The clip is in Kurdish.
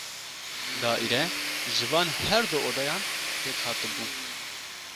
Daîre ji van her du odeyan pêk hatibû.